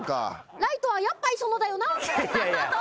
ライトはやっぱ磯野だよな。